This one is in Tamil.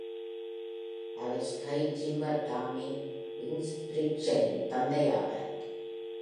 அவர் ஸ்கை ஜம்பர் டாமி இங்க்பிரிக்ட்சனின் தந்தை ஆவார்.